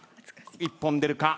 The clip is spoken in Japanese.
一本出るか？